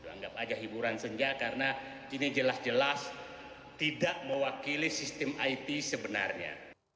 anggap aja hiburan senja karena ini jelas jelas tidak mewakili sistem it sebenarnya